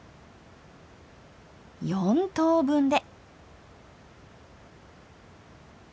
４等分で！